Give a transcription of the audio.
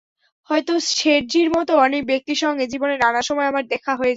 হয়তো শেঠজির মতো অনেক ব্যক্তির সঙ্গে জীবনে নানা সময় আমার দেখা হয়েছে।